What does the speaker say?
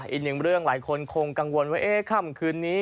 อีกหนึ่งเรื่องหลายคนคงกังวลว่าค่ำคืนนี้